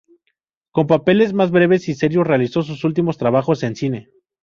Con papeles más breves y serios, realizó sus últimos trabajos en cine.